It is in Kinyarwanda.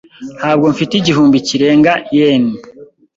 Ntabwo mfite igihumbi kirenga yen .